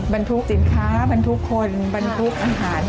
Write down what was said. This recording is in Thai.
บรรทุกสินค้าบรรทุกคนบรรทุกอาหาร